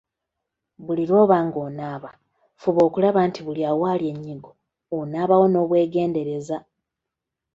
Buli lw'oba ng'onaaba, fuba okulaba nti, buli awali ennyingo onaba wo n'obwegendereza.